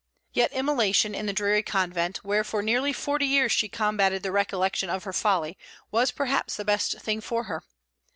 Yet immolation in the dreary convent, where for nearly forty years she combated the recollection of her folly, was perhaps the best thing for her.